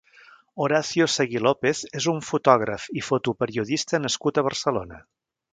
Horacio Seguí López és un fotògraf i fotoperiodista nascut a Barcelona.